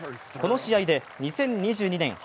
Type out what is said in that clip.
この試合で２０２２年